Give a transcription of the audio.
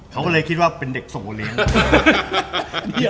เค้าเลยคิดว่าเป็นเด็กสงโรนิการ